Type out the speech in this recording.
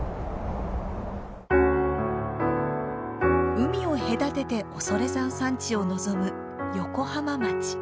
海を隔てて恐山山地を望む横浜町。